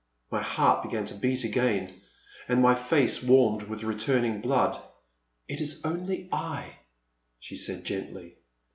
My heart began to beat again, and my face warmed with returning blood. It is only I,*' she said, gently.